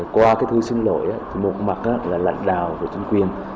qua cái thư xin lỗi một mặt là lãnh đạo của chính quyền